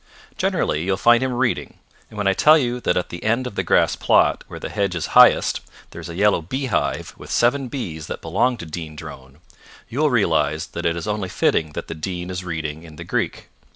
Generally you will find him reading, and when I tell you that at the end of the grass plot where the hedge is highest there is a yellow bee hive with seven bees that belong to Dean Drone, you will realize that it is only fitting that the Dean is reading in the Greek.